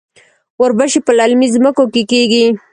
وربشې په للمي ځمکو کې کیږي.